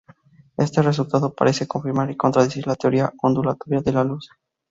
Este resultado parece confirmar y contradecir la teoría ondulatoria de la luz.